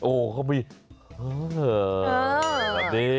โอ้เขามี